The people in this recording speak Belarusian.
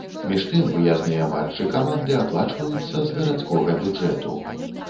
Між тым выязныя матчы каманды аплачваюцца з гарадскога бюджэту.